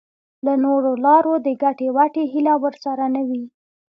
له نورو لارو د ګټې وټې هیله ورسره نه وي.